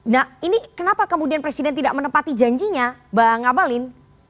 nah ini kenapa kemudian presiden tidak menepati janjinya bang abalin